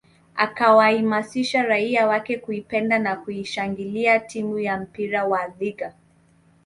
Akawaamasisha raia wake kuipenda na kuishangilia timu ya mpira wa Legger